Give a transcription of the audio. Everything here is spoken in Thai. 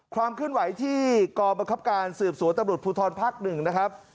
ความขึ้นไหวที่กรบังคับการสืบสวนตำรวจภูทรภาคหนึ่งนะครับ